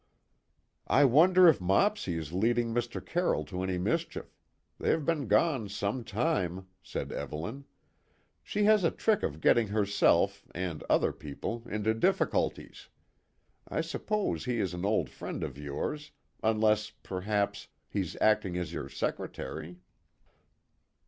"I wonder if Mopsy is leading Mr. Carroll into any mischief; they have been gone some time," said Evelyn. "She has a trick of getting herself, and other people into difficulties. I suppose he is an old friend of yours, unless, perhaps, he's acting as your secretary."